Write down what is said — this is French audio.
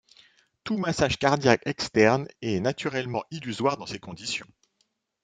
Tout massage cardiaque externe est naturellement illusoire dans ces conditions.